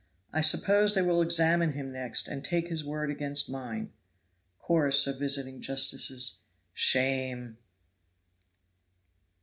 I suppose they will examine him next, and take his word against mine." (Chorus of Visiting Justices.) "Shame!"